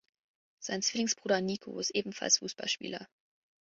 Sein Zwillingsbruder Nico ist ebenfalls Fußballspieler.